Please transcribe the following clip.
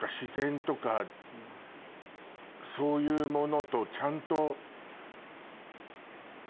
そういうものとちゃんと。